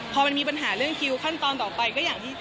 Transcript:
พอมันมีปัญหาเรื่องคิวขั้นตอนต่อไปก็อย่างที่